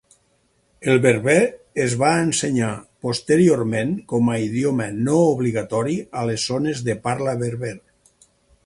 El berber es va ensenyar posteriorment com a idioma no obligatori a les zones de parla berber.